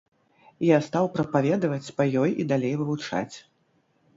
Я стаў прапаведаваць па ёй і далей вывучаць.